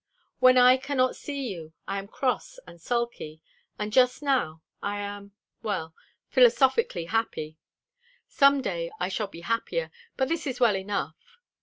When I cannot see you I am cross and sulky; and just now I am, well philosophically happy. Some day I shall be happier, but this is well enough.